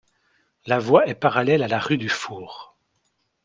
La voie est parallèle à la rue du Four.